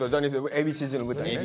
Ａ．Ｂ．Ｃ−Ｚの舞台ね。